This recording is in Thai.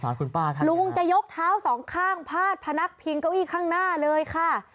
ลุงจะยกเท้าสองข้างพาดพนักพิงเก้าอี้ข้างหน้าเลยค่ะ